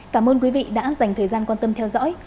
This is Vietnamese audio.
cảm ơn quý vị đã dành thời gian quan tâm theo dõi